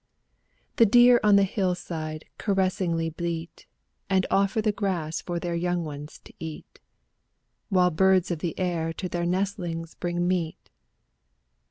The deer on the hillside caressingly bleat. And offer the grass for their young ones to eat, While birds of the air to their nestlings bring meat.